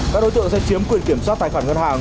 các đối tượng sẽ chiếm quyền kiểm soát tài khoản ngân hàng